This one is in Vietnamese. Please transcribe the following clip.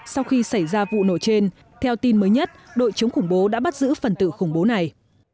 sau khi xảy ra vụ nổ trên theo tin mới nhất đội chống khủng bố đã bắt giữ phần tử khủng bố này